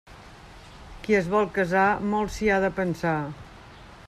Qui es vol casar, molt s'hi ha de pensar.